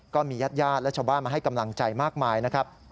ก็มีญาติญาติและชาวบ้านมาให้กำลังใจมากมายนะครับ